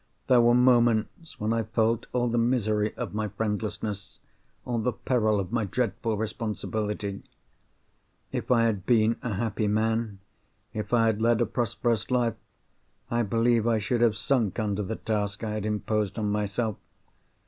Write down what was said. There were moments when I felt all the misery of my friendlessness, all the peril of my dreadful responsibility. If I had been a happy man, if I had led a prosperous life, I believe I should have sunk under the task I had imposed on myself.